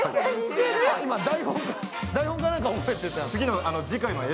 今、台本か何か覚えてた？